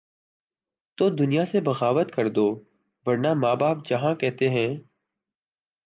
تو دنیا سے بغاوت کر دوورنہ ماں باپ جہاں کہتے ہیں۔